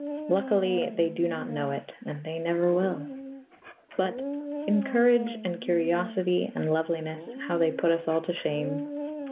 Luckily, they do not know it, and they never will. But in courage, and curiosity, and loveliness, how they put us all to shame.